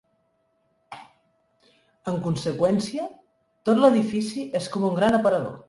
En conseqüència, tot l'edifici és com un gran aparador.